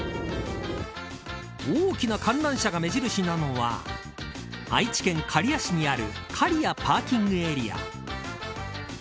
大きな観覧車が目印なのは愛知県刈谷市にある刈谷パーキングエリア。